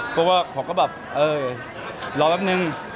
เพราะว่าเขาก็แบบเออรอแป๊บนึง